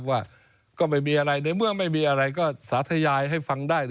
ว่าก็ไม่มีอะไรในเมื่อไม่มีอะไรก็สาธยายให้ฟังได้